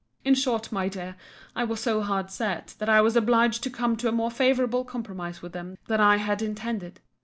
In short, my dear, I was so hard set, that I was obliged to come to a more favourable compromise with them than I had intended.